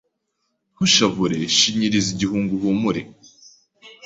Ntushavure shinyiriza igihunga uhumure,